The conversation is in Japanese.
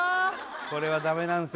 これはダメなんですよ